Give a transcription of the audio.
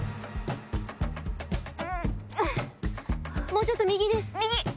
もうちょっと右です。